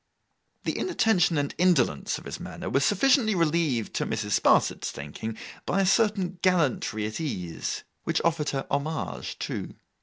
The inattention and indolence of his manner were sufficiently relieved, to Mrs. Sparsit's thinking, by a certain gallantry at ease, which offered her homage too.